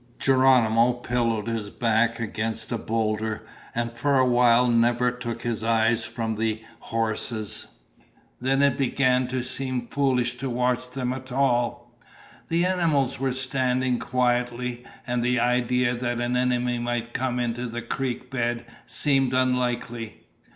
Geronimo pillowed his back against a boulder and for a while never took his eyes from the horses. Then it began to seem foolish to watch them at all. The animals were standing quietly, and the idea that an enemy might come into the creek bed seemed unlikely.